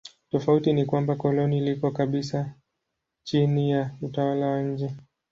Tofauti ni kwamba koloni liko kabisa chini ya utawala wa nje.